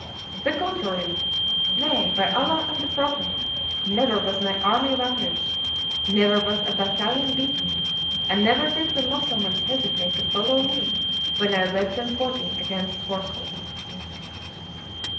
"The contrary! Nay, by Allah and the Prophet; never was my army vanquished; never was a battalion beaten; and never did the Mussulmans hesitate to follow me when I led them forty against fourscore."